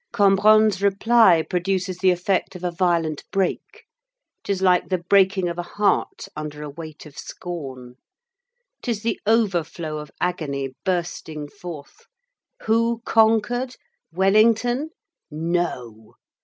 Cambronne's reply produces the effect of a violent break. 'Tis like the breaking of a heart under a weight of scorn. 'Tis the overflow of agony bursting forth. Who conquered? Wellington? No!